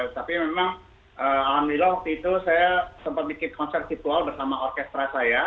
tapi memang alhamdulillah waktu itu saya sempat bikin konser virtual bersama orkestra saya